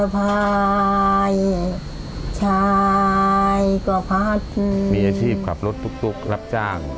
มีอาชีพกลับรถตุ๊กรับจ้าง